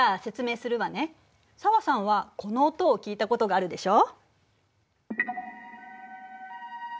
紗和さんはこの音を聞いたことがあるでしょ？